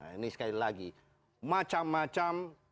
ini sekali lagi macam macam